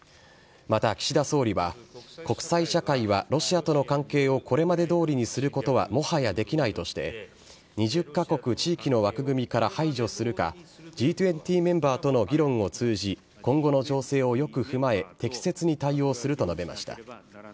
また岸田総理は、国際社会はロシアとの関係をこれまでどおりにすることはもはやできないとして、２０か国地域の枠組みから排除するか、Ｇ２０メンバーとの議論を通じ、今後の情勢をよく踏まえ、適切に対応すると述べました。